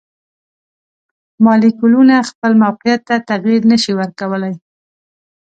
مالیکولونه خپل موقیعت ته تغیر نشي ورکولی.